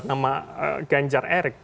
nama ganjar erik